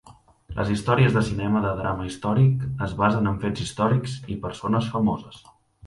Les històries de cinema de drama històric es basen en fets històrics i persones famoses.